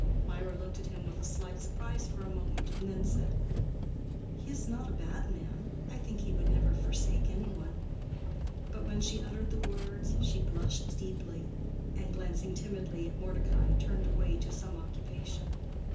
Mirah looked at him with a slight surprise for a moment, and then said, "He is not a bad man—I think he would never forsake any one." But when she uttered the words she blushed deeply, and glancing timidly at Mordecai, turned away to some occupation.